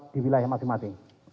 di wilayah masing masing